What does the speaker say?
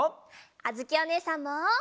あづきおねえさんも！